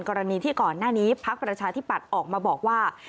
กรณีที่ก่อนหน้านี้พักประชาธิปัตย์ออกมาบอกว่า